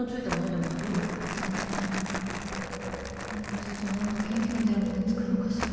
ちょっと何か元気の出るもの作ろうかしら。